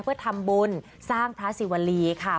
เพื่อทำบุญสร้างพระศิวรีค่ะ